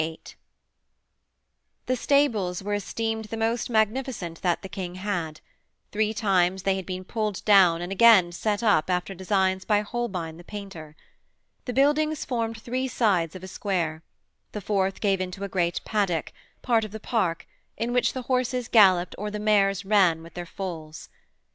VIII The stables were esteemed the most magnificent that the King had: three times they had been pulled down and again set up after designs by Holbein the painter. The buildings formed three sides of a square: the fourth gave into a great paddock, part of the park, in which the horses galloped or the mares ran with their foals.